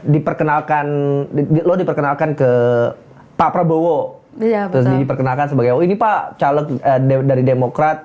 diperkenalkan diperkenalkan ke pak prabowo diperkenalkan sebagai ini pak calon dari demokrat